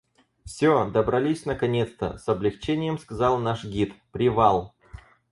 — Всё, добрались наконец-то, — с облегчением сказал наш гид, — привал!